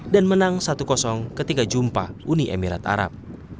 dan menang satu ketiga jumpa uni emirat arab